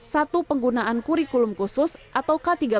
satu penggunaan kurikulum khusus atau k tiga